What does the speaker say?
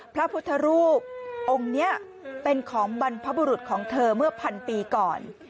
พระพุทธรูปองค์นี้เป็นของบรรพบุรุษของเธอเมื่อพันปีก่อน